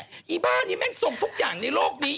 อีบ้านี้แม่งทรงทุกอย่างในโลกนี้